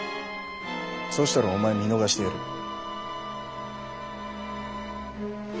そしたらお前見逃してやる。